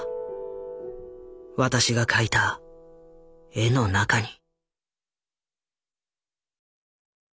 私が描いた絵の中に。